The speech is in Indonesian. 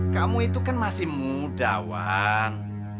kamu itu kan masih muda wan